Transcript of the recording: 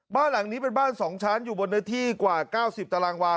บ้านหลังนี้เป็นบ้าน๒ชั้นอยู่บนเนื้อที่กว่า๙๐ตารางวา